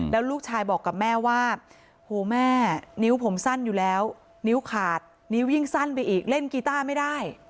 แล้วลูกชายบอกกับแม่ว่าโหแม่นิ้วผมสั้นอยู่แล้วนิ้วขาดนิ้ววิ่งสั้นไปอีกเล่นกีต้าไม่ได้